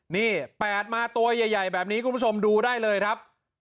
นี่๘มาตัวใหญ่แบบนี้คุณผู้ชมดูได้เลยครับ